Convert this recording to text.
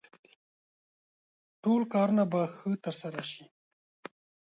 ټول کارونه به ښه ترسره شي.